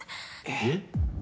えっ？